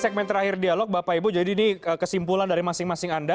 segmen terakhir dialog bapak ibu jadi ini kesimpulan dari masing masing anda